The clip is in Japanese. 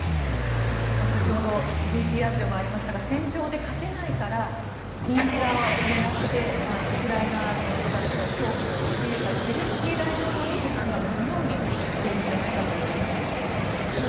先ほどＶＴＲでもありましたが戦場で勝てないからインフラを狙ってウクライナの人たちを恐怖に陥れたりゼレンスキー大統領に批判が向くようにというお話もありましたが。